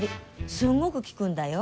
すんごく効くんだよ。